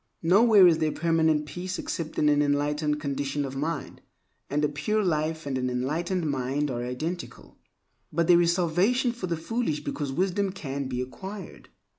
Nowhere is there permanent peace except in an enlightened condition of mind; and a pure life and an enlightened mind are identical. But there is salvation for the foolish because wisdom can be acquired.